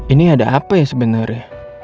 ini ada apa ya sebenarnya